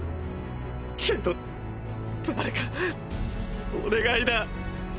けど誰かお願いだ。